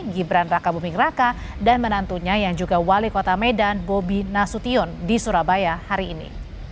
gibran raka buming raka dan menantunya yang juga wali kota medan bobi nasution di surabaya hari ini